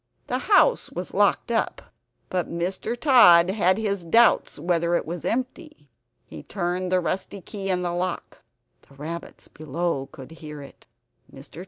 The house was locked up, but Mr. Tod had his doubts whether it was empty. He turned the rusty key in the lock; the rabbits below could hear it. Mr.